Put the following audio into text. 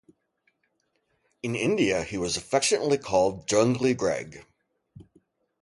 In India, he was affectionately called "Jungly" Greig.